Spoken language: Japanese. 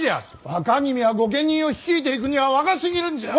若君は御家人を率いていくには若すぎるんじゃ！